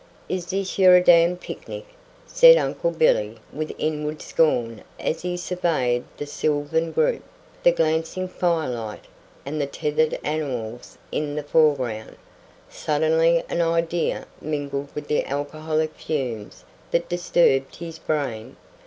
"Is this yer a damned picnic?" said Uncle Billy with inward scorn as he surveyed the sylvan group, the glancing firelight, and the tethered animals in the foreground. Suddenly an idea mingled with the alcoholic fumes that disturbed his brain.